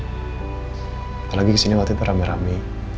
apalagi kesini waktu itu rame rame